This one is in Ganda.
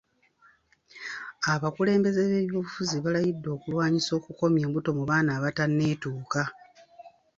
Abakulembeze b'ebyobufuzi balayidde okulwanyisa okukomya embuto mu baana abatanneetuuka.